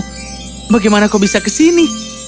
hmm bagaimana kau bisa ke sini